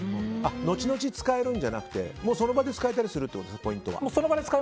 後々使えるんじゃなくてその場で使えたりするってことですね、ポイントは。